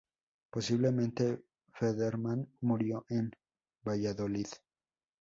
Posiblemente, Federmann murió en Valladolid.